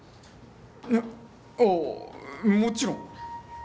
えああもちろん。